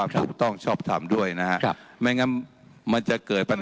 ผมก็อ้างข้อบังคับเช่นเดียวกัน